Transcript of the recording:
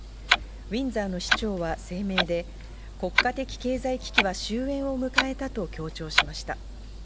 ウィンザーの市長は声明で、国家的経済危機は終えんを迎えたと強調しました。